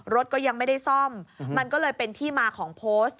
รถก็ยังไม่ได้ซ่อมมันก็เลยเป็นที่มาของโพสต์